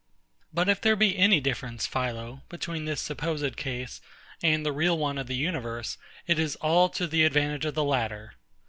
But if there be any difference, PHILO, between this supposed case and the real one of the universe, it is all to the advantage of the latter.